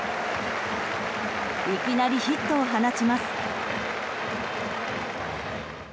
いきなりヒットを放ちます。